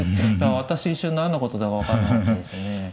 私一瞬何のことだか分からなかったですね。